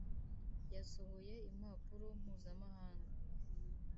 yasohoye impapuro mpuzamahanga